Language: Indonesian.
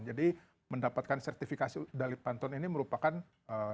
jadi mendapatkan sertifikasi dari pantone ini merupakan yang paling penting